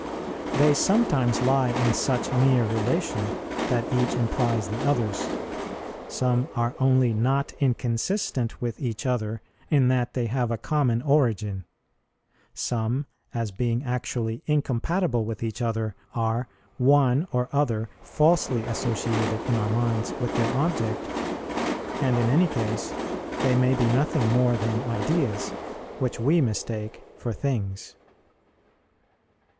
They sometimes lie in such near relation, that each implies the others; some are only not inconsistent with each other, in that they have a common origin: some, as being actually incompatible with each other, are, one or other, falsely associated in our minds with their object, and in any case they may be nothing more than ideas, which we mistake for things.